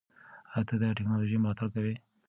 ایا ته د ټیکنالوژۍ ملاتړ کوې؟